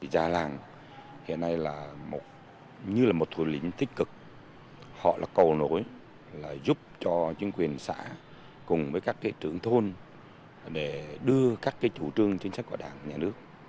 già làng hiện nay là như là một thủ lĩnh tích cực họ là cầu nổi là giúp cho chính quyền xã cùng với các trưởng thôn để đưa các chủ trương chính sách của đảng nhà nước